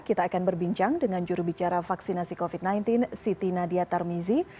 kita akan berbincang dengan jurubicara vaksinasi covid sembilan belas siti nadia tarmizi